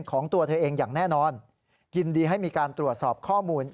ของตัวเธอเองอย่างแน่นอนยินดีให้มีการตรวจสอบข้อมูล